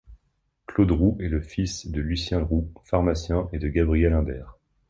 Claude Roux est le fils de Lucien Roux, pharmacien, et de Gabrielle Humbert.